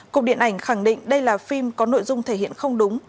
cục điện ảnh khẳng định đây là phim có nội dung thể hiện không đúng